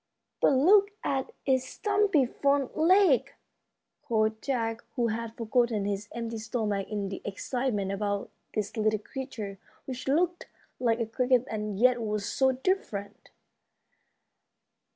"But look at its stumpy front legs!" called Jack, who had forgotten his empty stomach in the excitement about this little creature, which looked like a cricket and yet was so different.